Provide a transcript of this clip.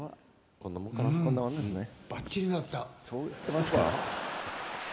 そう言ってますから。